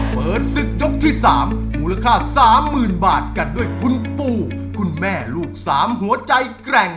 เปิดศึกยกที่๓มูลค่า๓๐๐๐บาทกันด้วยคุณปู่คุณแม่ลูกสามหัวใจแกร่ง